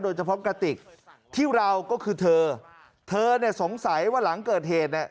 กระติกที่เราก็คือเธอเธอเนี่ยสงสัยว่าหลังเกิดเหตุเนี่ย